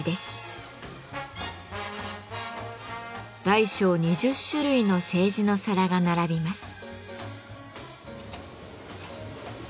大小２０種類の青磁の皿が並びます。